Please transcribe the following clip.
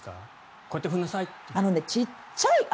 こうやって振りなさいって。